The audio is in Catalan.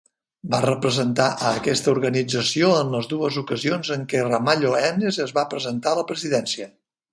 Va representar a aquesta organització en les dues ocasions en què Ramalho Eanes es va presentar a la presidència.